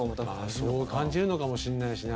そう感じるのかもしれないしね